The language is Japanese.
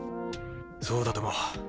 そうだとも。